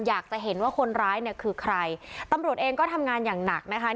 อยากจะเห็นว่าคนร้ายเนี่ยคือใครตำรวจเองก็ทำงานอย่างหนักนะคะ